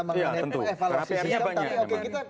tentang evaluasi sistem tapi kita